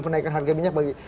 menaikkan harga minyak bagi